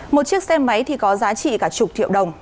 một chiếc xe máy thì có giá trị cả chục triệu đồng